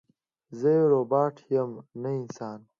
زه یو روباټ یم نه انسان